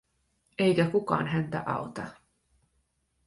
Eikä kukaan häntä auta.